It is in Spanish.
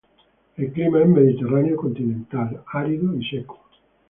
El clima es Mediterráneo Continental, es árida y seca.